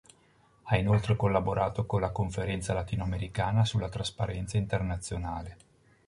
Ha inoltre collaborato con la Conferenza latinoamericana sulla trasparenza Internazionale.